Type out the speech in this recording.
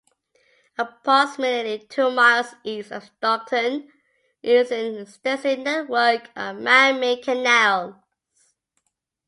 Approximately two miles east of Stockton is an extensive network of manmade canals.